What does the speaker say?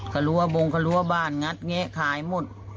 ครัวบงครัวบ้านงัดเงะขายหมด